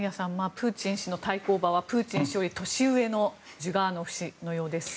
プーチン氏の対抗馬はプーチン氏より年上のジュガーノフ氏のようです。